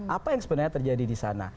apa yang sebenarnya terjadi disana